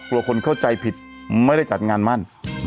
คนเข้าใจผิดไม่ได้จัดงานมั่น